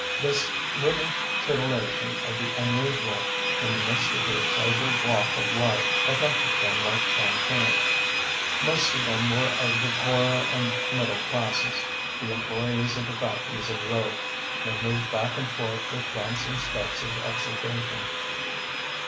This little titillation of the unusual in the midst of their sober walk of life affected them like champagne. Most of them were of the poorer and middle classes, the employés of the factories of Rowe. They moved back and forth with dancing steps of exultation.